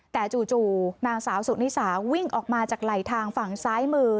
แต่จู่นางสาวสุนิสาวิ่งออกมาจากไหลทางฝั่งซ้ายมือ